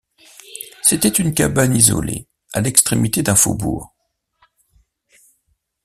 C’était une cabane isolée à l’extrémité d’un faubourg.